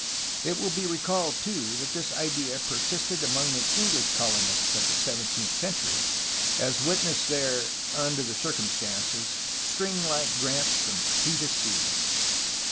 It will be recalled, too, that this idea persisted among the English colonists of the seventeenth century, as witness their (under the circumstances) string like grants "from sea to sea.''